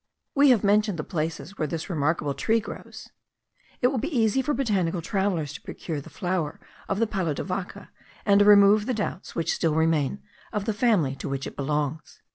We have mentioned the places where this remarkable tree grows: it will be easy for botanical travellers to procure the flower of the palo de vaca and to remove the doubts which still remain, of the family to which it belongs.)